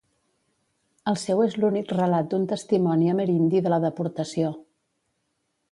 El seu és l'únic relat d'un testimoni amerindi de la deportació.